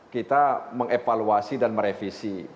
kita mengevaluasi dan merevisi